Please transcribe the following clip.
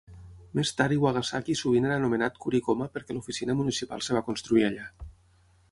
Més tard Iwagasaki sovint era anomenat Kurikoma perquè l'oficina municipal es va construir allà.